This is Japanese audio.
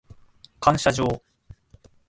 感謝状